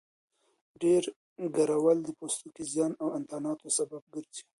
ډېر ګرول د پوستکي زیان او انتاناتو سبب ګرځي.